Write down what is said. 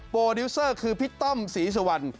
ดิวเซอร์คือพี่ต้อมศรีสุวรรณ